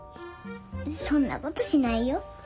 そんなことしないよ。